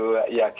saya tidak begitu